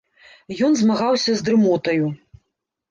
Ён змагаўся з дрымотаю.